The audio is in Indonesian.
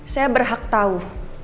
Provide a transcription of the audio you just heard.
saya berhak tahu